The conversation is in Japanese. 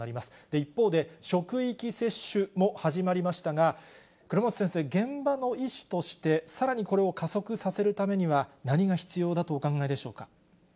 一方で、職域接種も始まりましたが、倉持先生、現場の医師として、さらにこれを加速させるためには何が必要だとお考えでしょうか。